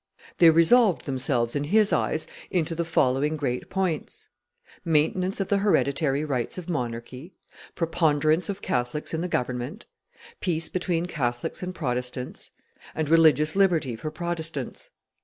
They resolved themselves, in his eyes, into the following great points: maintenance of the hereditary rights of monarchy, preponderance of Catholics in the government, peace between Catholics and Protestants, and religious liberty for Protestants.